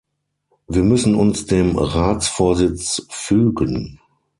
Wir müssen uns dem Ratsvorsitz fügen.